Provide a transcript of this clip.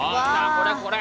これこれ！